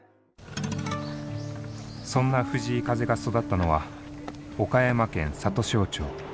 そんな藤井風が育ったのは岡山県里庄町。